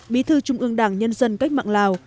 bí thư trung ương đảng nhân dân cách mạng lào